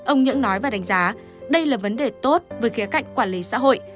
ông những nói và đánh giá đây là vấn đề tốt với khía cạnh quản lý xã hội